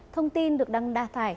thông tin được đăng đa tải